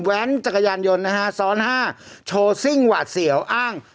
จักรยานยนต์นะฮะซ้อนห้าโชว์ซิ่งหวาดเสียวอ้าง